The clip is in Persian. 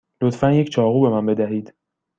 لطفا یک چاقو به من بدهید.